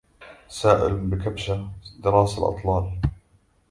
سائل بكبشة دارس الأطلال